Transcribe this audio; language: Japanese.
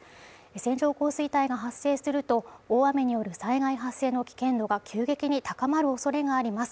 線状降水帯が発生すると、大雨による災害発生の危険度が急激に高まるおそれがあります。